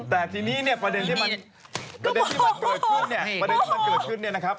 แต่ทีนี้เนี่ยประเด็นที่มันประเด็นที่มันเกิดขึ้นเนี่ยประเด็นที่มันเกิดขึ้นเนี่ยนะครับ